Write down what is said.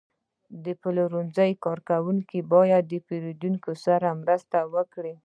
د پلورنځي کارکوونکي باید د پیرودونکو سره مرسته وکړي.